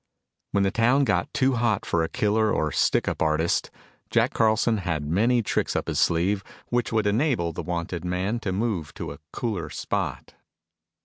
When the town got too hot for a killer or stick up artist, Jack Carlson had many tricks up his sleeve which would enable the wanted man to move to a cooler spot.